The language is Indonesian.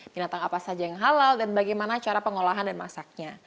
binatang apa saja yang halal dan bagaimana cara pengolahan dan masaknya